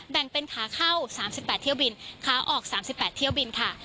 แบ่งเป็นขาเข้า๓๘เที่ยวบินขาออก๓๘เที่ยวบินค่ะ